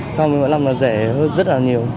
sau mọi năm là rẻ hơn rất là nhiều